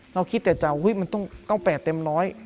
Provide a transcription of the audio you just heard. เราคิดแต่จะเอามันต้อง๙๘เต็ม๑๐๐